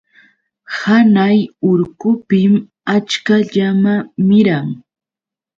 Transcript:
Hanay urqupim achka llama miran.